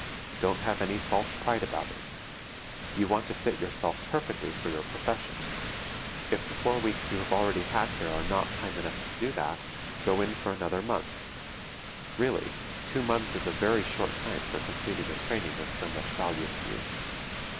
Don't have any false pride about it. You want to fit yourself perfectly for your profession. If the four weeks you have already had here are not time enough to do that, go in for another month. Really, two months is a very short time for completing a training of so much value to you.